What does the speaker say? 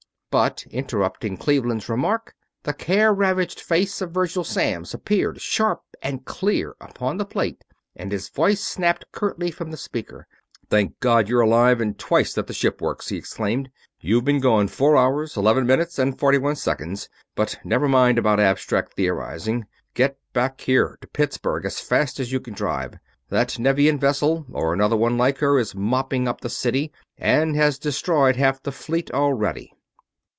But, interrupting Cleveland's remark, the care ravaged face of Virgil Samms appeared sharp and clear upon the plate and his voice snapped curtly from the speaker. "Thank God you're alive, and twice that that the ship works!" he exclaimed. "You've been gone four hours, eleven minutes, and forty one seconds, but never mind about abstract theorizing. Get back here, to Pittsburgh, as fast as you can drive. That Nevian vessel or another one like her is mopping up the city, and has destroyed half the Fleet already!"